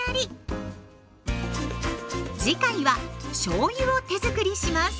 次回はしょうゆを手づくりします。